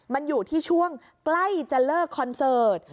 มันอยู่ที่ช่วงใกล้จะเลิกคอนเสิร์ต